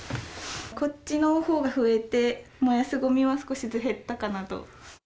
こっちのほうが増えて、燃やすごみは少し減ったかなと。